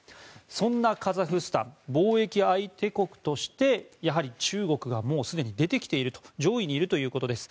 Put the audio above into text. そんなカザフスタン貿易相手国として、やはり中国がもうすでに出てきていると上位にいるということです。